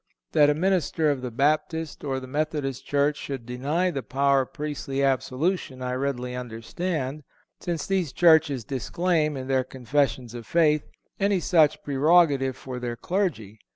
That a minister of the Baptist or the Methodist church should deny the power of priestly absolution I readily understand, since these churches disclaim, in their confessions of faith, any such prerogative for their clergy.